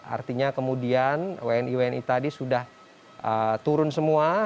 artinya kemudian wni wni tadi sudah turun semua